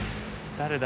誰だ？